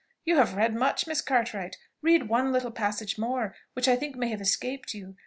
You have read much, Miss Cartwright, read one little passage more, which I think may have escaped you.